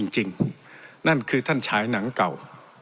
จริงนั่นคือท่านฉายหนังเก่า